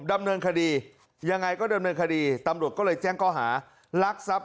ดำเนินคดียังไงก็ดำเนินคดีตำรวจก็เลยแจ้งข้อหารักทรัพย์